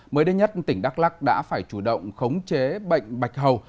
mới đây nhất tỉnh đắk lắc đã phải chủ động khống chế bệnh bạch hầu